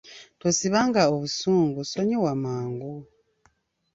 Tosibanga obusungu, sonyiwanga mangu.